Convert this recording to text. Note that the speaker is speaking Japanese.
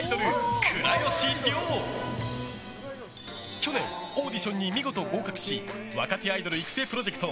去年オーディションに見事合格し若手アイドル育成プロジェクト